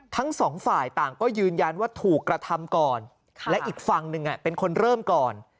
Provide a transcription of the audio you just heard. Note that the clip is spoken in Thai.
ทั้งสองฝ่ายต่างก็ยืนยันว่าถูกกระทำก่อนและอีกฝั่งหนึ่งเป็นคนเริ่มก่อน